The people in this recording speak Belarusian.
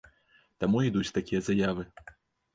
Таму і ідуць такія заявы.